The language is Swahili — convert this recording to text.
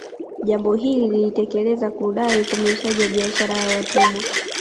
Jambo hili lilitekeleza kudai ukomeshaji wa biashara ya watumwa